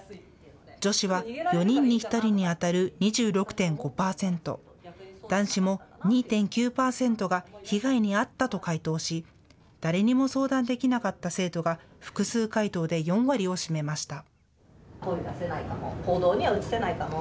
女子は４人に１人にあたる２６．５％、男子も２．９％が被害に遭ったと回答し誰にも相談できなかった生徒が複数回答で４割を占めました。